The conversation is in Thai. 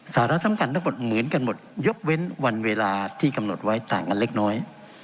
สาระสำคัญทั้งหมดเหมือนกันหมดยกเว้นวันเวลาที่กำหนดไว้ต่างกันเล็กน้อย